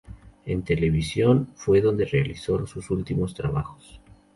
En televisión fue donde realizó sus últimos trabajos.